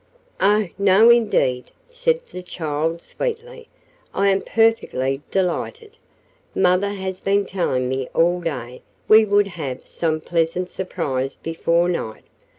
"Oh, no, indeed," said the child sweetly. "I am perfectly delighted. Mother has been telling me all day we would have some pleasant surprise before night.